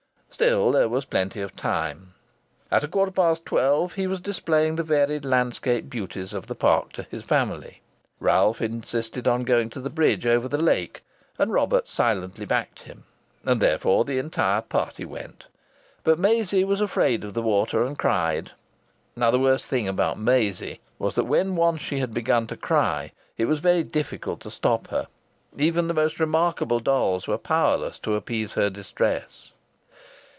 Still there was plenty of time. At a quarter past twelve he was displaying the varied landscape beauties of the park to his family. Ralph insisted on going to the bridge over the lake, and Robert silently backed him. And therefore the entire party went. But Maisie was afraid of the water and cried. Now the worst thing about Maisie was that when once she had begun to cry it was very difficult to stop her. Even the most remarkable dolls were powerless to appease her distress.